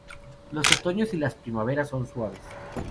Los otoños y las primaveras son suaves.